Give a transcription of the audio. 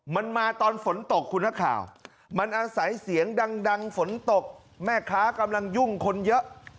มันมาตอนฝนตกคุณนักข่าวมันอาศัยเสียงดังฝนตกแม่ค้ากำลังยุ่งคนเยอะ